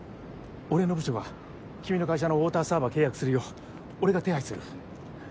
俺の部署が君の会社のウオーターサーバー契約するよう俺が手配する。